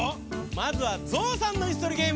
まずはゾウさんのいすとりゲーム。